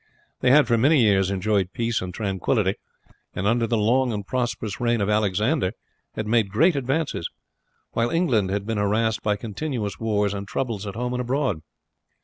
They had for many years enjoyed peace and tranquillity, and under the long and prosperous reign of Alexander had made great advances, while England had been harassed by continuous wars and troubles at home and abroad.